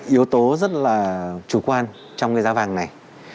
yếu tố rất là chủ quan trong cái giá vàng này